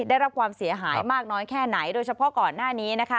ได้รับความเสียหายมากน้อยแค่ไหนโดยเฉพาะก่อนหน้านี้นะคะ